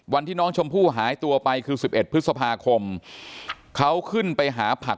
วันที่น้องชมพู่หายตัวไปคือ๑๑พฤษภาคมเขาขึ้นไปหาผัก